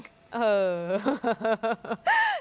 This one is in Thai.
เออ